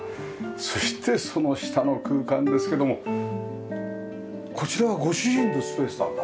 そしてその下の空間ですけどもこちらはご主人のスペースなんだ？